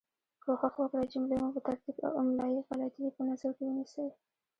کوښښ وکړئ جملې مو په ترتیب او املایي غلطې یي په نظر کې ونیسۍ